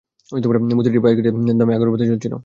মূর্তিটির পায়ের কাছে দামী আগরবাতি জ্বলছিল।